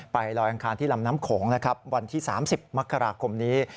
ลอยอังคารที่ลำน้ำโขงนะครับวันที่๓๐มกราคมนี้